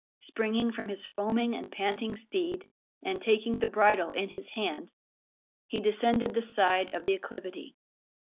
Springing from his foaming and panting steed, and taking the bridle in his hand, he descended the side of the acclivity.